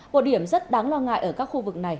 một điểm rất đáng lo ngại ở các khu vực này